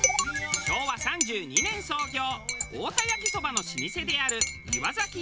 昭和３２年創業太田焼きそばの老舗である岩崎屋。